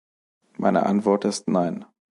Meine Antwort ist nein.